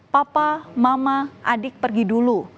papa mama adik pergi dulu